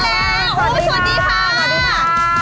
สวัสดีค่ะ